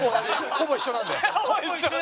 ほぼ一緒なんで。